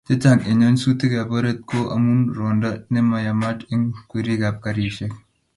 Chechang' eng' nyasutik ab oret ko amun rwando nemayamat eng' kwerik ap karisyek.